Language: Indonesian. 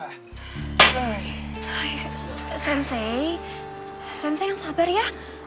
hai sensei sensei yang sabar ya